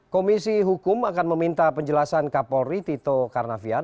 komisi hukum akan meminta penjelasan kapolri tito karnavian